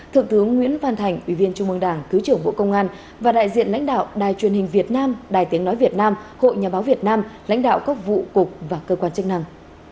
thượng tướng nguyễn văn thành ủy viên trung mương đảng thứ trưởng bộ công an và đại diện lãnh đạo đài truyền hình việt nam đài tiếng nói việt nam hội nhà báo việt nam lãnh đạo các vụ cục và cơ quan chức năng